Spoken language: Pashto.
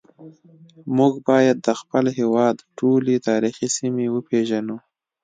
موږ باید د خپل هیواد ټولې تاریخي سیمې وپیژنو